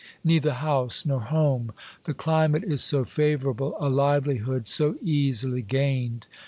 Neither house nor home. The cli mate is so favorable, a livelihood so easily gained